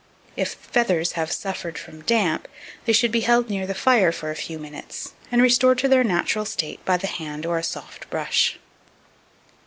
If feathers have suffered from damp, they should be held near the fire for a few minutes, and restored to their natural state by the hand or a soft brush.